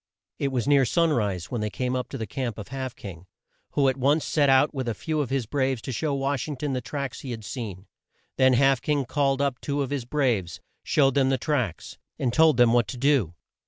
It was near sun rise when they came to the camp of Half King, who at once set out with a few of his braves to show Wash ing ton the tracks he had seen. Then Half King called up two of his braves, showed them the tracks, and told them what to do.